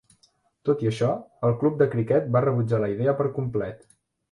Tot i això, el club de criquet va rebutjar la idea per complet.